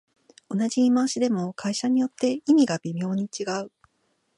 同じ言い回しでも会社によって意味が微妙に違う